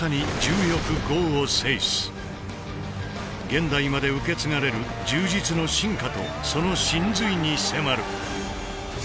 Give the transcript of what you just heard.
現代まで受け継がれる柔術の進化とその神髄に迫る。